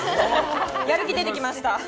やる気出てきました。